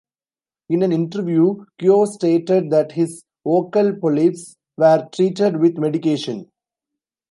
In an interview, Kyo stated that his vocal polyps were treated with medication.